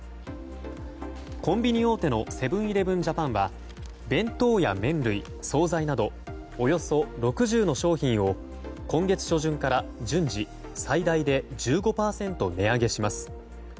コンビニ大手のセブン‐イレブン・ジャパンは弁当や麺類、総菜などおよそ６０の商品を今月初旬から順次最大で１５％値上げします。